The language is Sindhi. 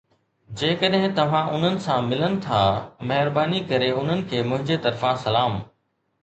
جيڪڏهن توهان انهن سان ملن ٿا، مهرباني ڪري انهن کي منهنجي طرفان سلام.